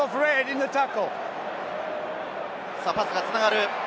パスがつながる。